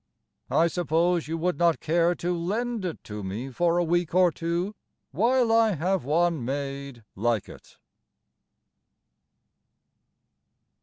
I suppose you would not care to lend it to me For a week or two While I have one made Like it?